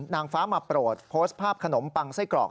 นางฟ้ามาโปรดโพสต์ภาพขนมปังไส้กรอก